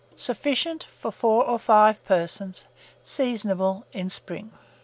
Sufficient for 4 or 5 persons. Seasonable in spring.